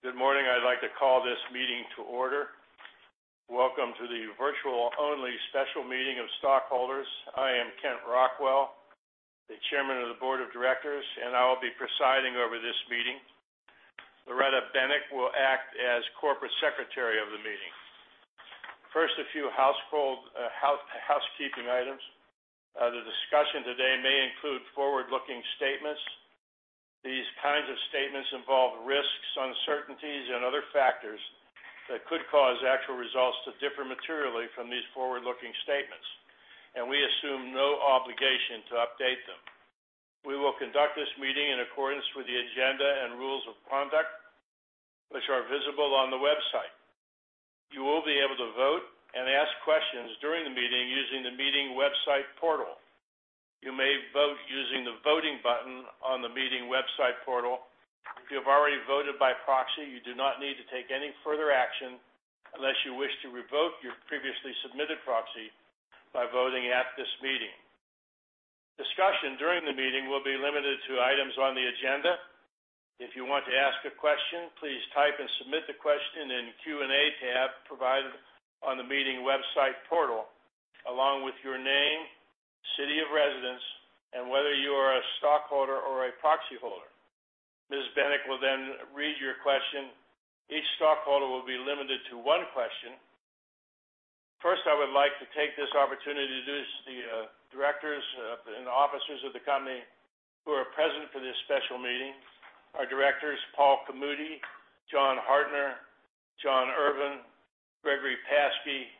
Good morning. I'd like to call this meeting to order. Welcome to the virtual only special meeting of stockholders. I am Kent Rockwell, the Chairman of the Board of Directors, and I will be presiding over this meeting. Loretta Benec will act as Corporate Secretary of the meeting. First, a few housekeeping items. The discussion today may include forward-looking statements. These kinds of statements involve risks, uncertainties, and other factors that could cause actual results to differ materially from these forward-looking statements, and we assume no obligation to update them. We will conduct this meeting in accordance with the agenda and rules of conduct which are visible on the website. You will be able to vote and ask questions during the meeting using the meeting website portal. You may vote using the voting button on the meeting website portal. If you have already voted by proxy, you do not need to take any further action unless you wish to revoke your previously submitted proxy by voting at this meeting. Discussion during the meeting will be limited to items on the agenda. If you want to ask a question, please type and submit the question in Q&A tab provided on the meeting website portal, along with your name, city of residence, and whether you are a stockholder or a proxyholder. Ms. Benec will then read your question. Each stockholder will be limited to one question. First, I would like to take this opportunity to introduce the directors and officers of the company who are present for this special meeting. Our directors, Paul Camuti, John Hartner, John Irvin, Gregory Pashke,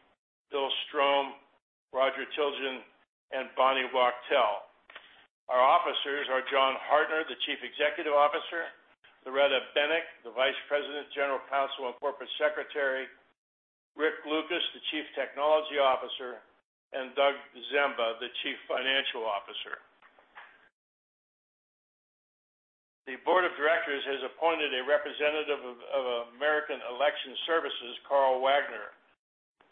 Bill Strome, Roger Thiltgen, and Bonnie Wachtel. Our officers are John Hartner, the Chief Executive Officer, Loretta Benec, the Vice President, General Counsel and Corporate Secretary, Rick Lucas, the Chief Technology Officer, and Doug Zemba, the Chief Financial Officer. The Board of Directors has appointed a representative of American Election Services, Karl Wagner,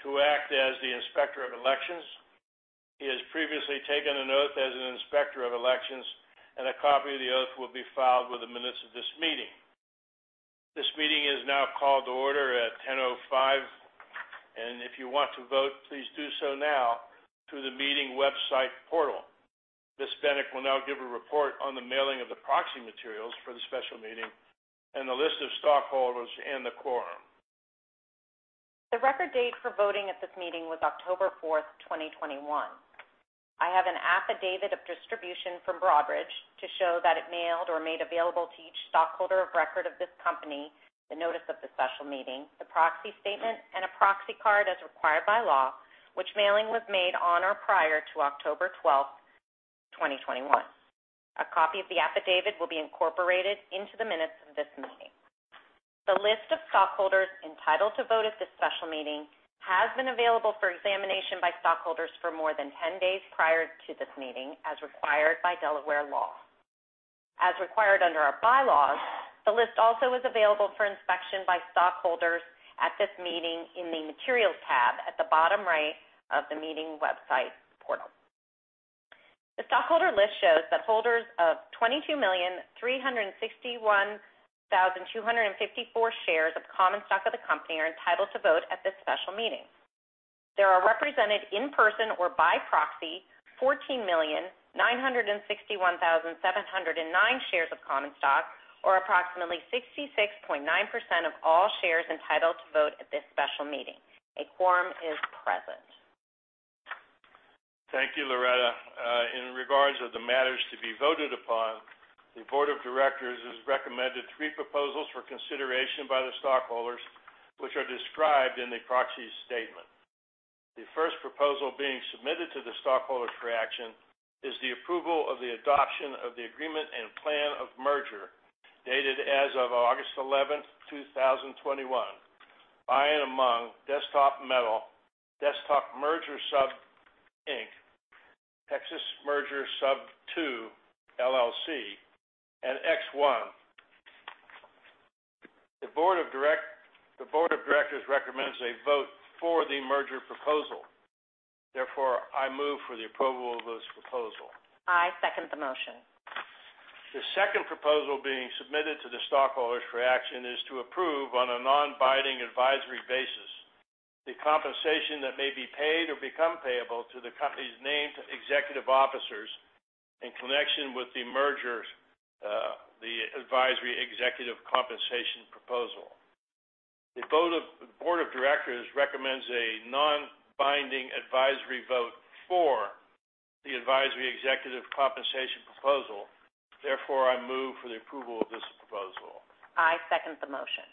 to act as the Inspector of Elections. He has previously taken an oath as an Inspector of Elections, and a copy of the oath will be filed with the minutes of this meeting. This meeting is now called to order at 10:05 A.M., and if you want to vote, please do so now through the meeting website portal. Ms. Benec will now give a report on the mailing of the proxy materials for the special meeting and the list of stockholders and the quorum. The record date for voting at this meeting was October 4, 2021. I have an affidavit of distribution from Broadridge to show that it mailed or made available to each stockholder of record of this company the notice of the special meeting, the proxy statement, and a proxy card as required by law, which mailing was made on or prior to October 12, 2021. A copy of the affidavit will be incorporated into the minutes of this meeting. The list of stockholders entitled to vote at this special meeting has been available for examination by stockholders for more than 10 days prior to this meeting, as required by Delaware law. As required under our bylaws, the list also is available for inspection by stockholders at this meeting in the Materials tab at the bottom right of the meeting website portal. The stockholder list shows that holders of 22,361,254 shares of common stock of the company are entitled to vote at this special meeting. There are represented in person or by proxy 14,961,709 shares of common stock, or approximately 66.9% of all shares entitled to vote at this special meeting. A quorum is present. Thank you, Loretta. In regards of the matters to be voted upon, the board of directors has recommended three proposals for consideration by the stockholders, which are described in the proxy statement. The first proposal being submitted to the stockholders for action is the approval of the adoption of the agreement and plan of merger dated as of August 11, 2021, by and among Desktop Metal, Desktop Merger Sub, Inc., Texas Merger Sub II, LLC, and ExOne. The board of directors recommends a vote for the merger proposal. Therefore, I move for the approval of this proposal. I second the motion. The second proposal being submitted to the stockholders for action is to approve, on a non-binding advisory basis, the compensation that may be paid or become payable to the company's named executive officers in connection with the merger, the advisory executive compensation proposal. The Board of Directors recommends a non-binding advisory vote for the advisory executive compensation proposal. Therefore, I move for the approval of this proposal. I second the motion.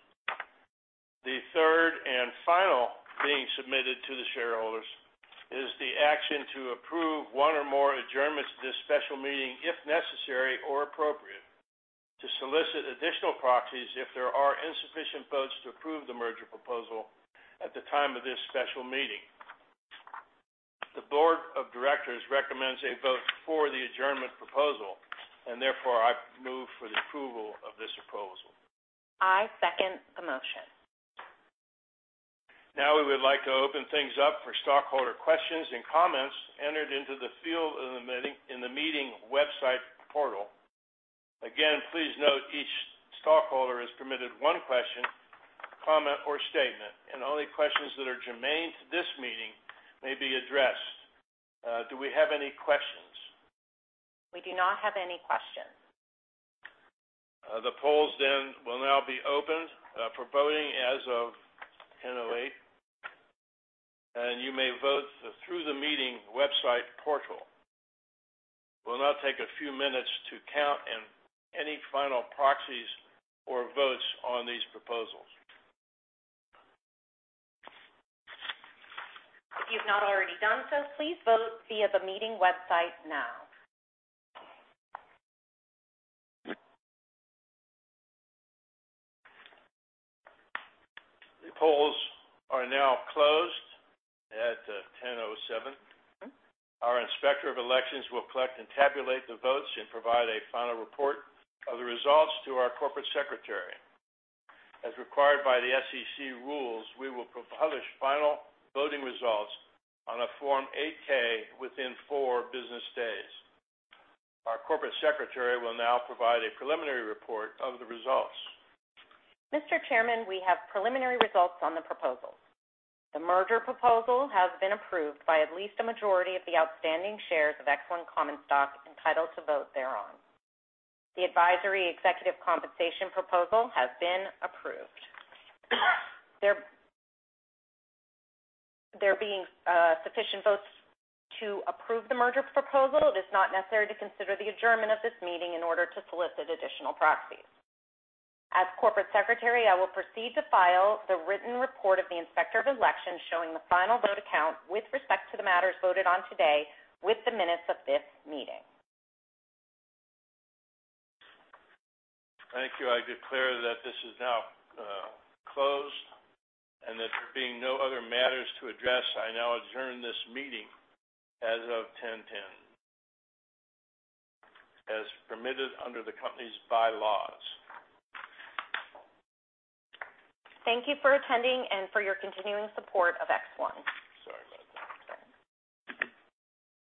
The third and final being submitted to the shareholders is the action to approve one or more adjournments to this special meeting, if necessary or appropriate, to solicit additional proxies if there are insufficient votes to approve the merger proposal at the time of this special meeting. The board of directors recommends a vote for the adjournment proposal, and therefore, I move for the approval of this proposal. I second the motion. We would like to open things up for stockholder questions and comments in the meeting website portal. Again, please note each stockholder is permitted one question, comment, or statement, and only questions that are germane to this meeting may be addressed. Do we have any questions? We do not have any questions. The polls then will now be opened for voting as of 10:08. You may vote through the meeting website portal. We'll now take a few minutes to count any final proxies or votes on these proposals. If you've not already done so, please vote via the meeting website now. The polls are now closed at 10:07. Our inspector of elections will collect and tabulate the votes and provide a final report of the results to our corporate secretary. As required by the SEC rules, we will publish final voting results on a Form 8-K within four business days. Our corporate secretary will now provide a preliminary report of the results. Mr. Chairman, we have preliminary results on the proposals. The merger proposal has been approved by at least a majority of the outstanding shares of ExOne common stock entitled to vote thereon. The advisory executive compensation proposal has been approved. There being sufficient votes to approve the merger proposal, it is not necessary to consider the adjournment of this meeting in order to solicit additional proxies. As corporate secretary, I will proceed to file the written report of the inspector of elections showing the final vote count with respect to the matters voted on today with the minutes of this meeting. Thank you. I declare that this is now closed. That there being no other matters to address, I now adjourn this meeting as of 10:10, as permitted under the company's bylaws. Thank you for attending and for your continuing support of ExOne. Sorry about that. It's all right.